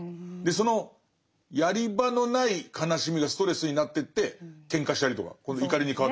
そのやり場のない悲しみがストレスになってってケンカしたりとか。